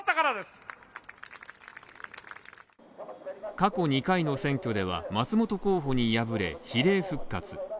過去２回の選挙では松本候補に敗れ比例復活。